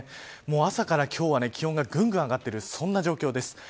朝から今日は気温がぐんぐん上がっている状況です。